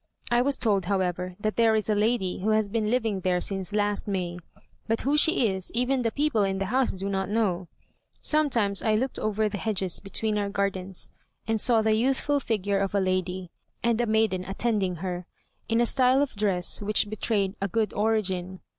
I was told, however, that there is a lady who has been living there since last May, but who she is even the people in the house do not know. Sometimes I looked over the hedges between our gardens, and saw the youthful figure of a lady, and a maiden attending her, in a style of dress which betrayed a good origin.